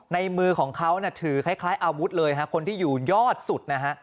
มือของเขาถือคล้ายอาวุธเลยฮะคนที่อยู่ยอดสุดนะฮะ